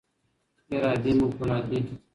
ارادې مو فولادي.